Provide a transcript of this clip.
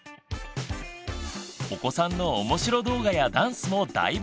お子さんのおもしろ動画やダンスも大募集！